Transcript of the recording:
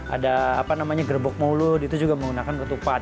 ada gerbok maulud itu juga menggunakan ketupat